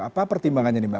apa pertimbangannya nih mbak